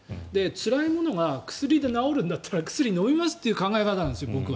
つらいものが薬で治るんだったら薬を飲みますという考え方なんです。